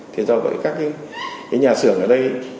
thế do vậy các cái nhà sửa ở đây